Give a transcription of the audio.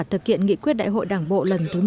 thực hiện nghị quyết đại hội đảng bộ lần thứ một mươi ba